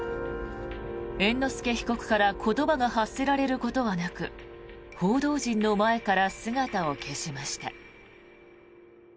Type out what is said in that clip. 猿之助被告から言葉が発せられることはなく報道陣の前から姿を消しました。